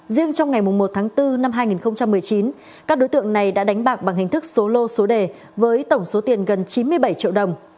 riêng trong ngày một tháng bốn năm hai nghìn một mươi chín các đối tượng này đã đánh bạc bằng hình thức số lô số đề với tổng số tiền gần chín mươi bảy triệu đồng